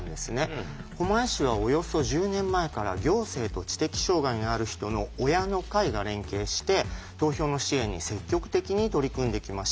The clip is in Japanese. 狛江市はおよそ１０年前から行政と知的障害のある人の親の会が連携して投票の支援に積極的に取り組んできました。